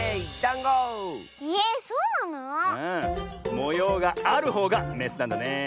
もようがあるほうがメスなんだねえ。